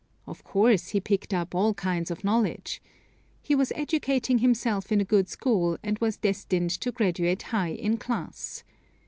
Of course he picked up all kinds of knowledge. He was educating himself in a good school, and was destined to graduate high in his class.